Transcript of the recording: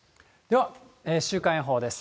では、週間予報です。